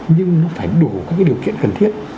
nhưng nó phải đủ các điều kiện cần thiết